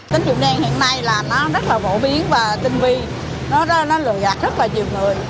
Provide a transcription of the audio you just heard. tính dụng đen hiện nay là nó rất là phổ biến và tinh vi nó lừa gạt rất là nhiều người